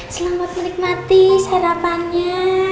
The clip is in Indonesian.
selamat menikmati sarapannya